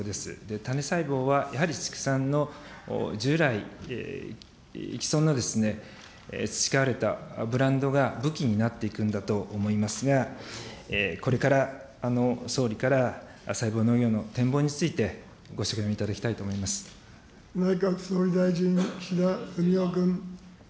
種細胞はやはり畜産の従来、既存の培われたブランドが武器になっていくんだと思いますが、これから総理から細胞農業の展望について、内閣総理大臣、岸田文雄君。